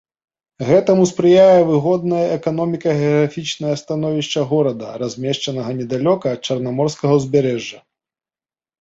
Гэтаму спрыяе выгоднае эканоміка-геаграфічнае становішча горада, размешчанага недалёка ад чарнаморскага ўзбярэжжа.